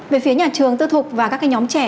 về phía nhà trường tư thuộc và các cái nhóm trẻ